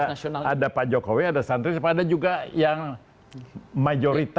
kan masih ada ketiga ada pak jokowi ada santri ada juga yang majoritas